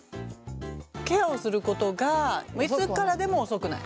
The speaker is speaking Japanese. ケアをすることがいつからでも遅くない。